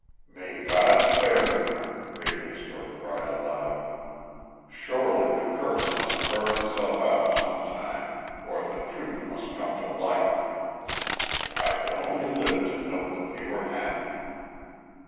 "May God spare them!" Ravenspur cried aloud. "Surely the curse must burn itself out some time, or the truth must come to light. If I could only live to know that they were happy!"